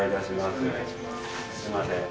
すみません。